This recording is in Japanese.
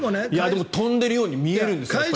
でも飛んでるように見えるんですよ。